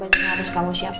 banyak yang harus kamu siapin